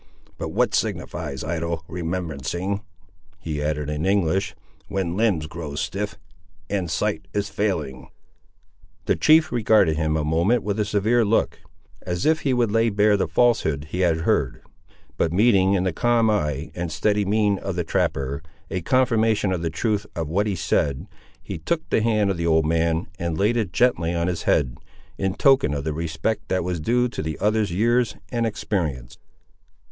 But what signifies idle remembrancing," he added in English, "when limbs grow stiff, and sight is failing!" The chief regarded him a moment with a severe look, as if he would lay bare the falsehood he had heard; but meeting in the calm eye and steady mien of the trapper a confirmation of the truth of what he said, he took the hand of the old man and laid it gently on his head, in token of the respect that was due to the other's years and experience.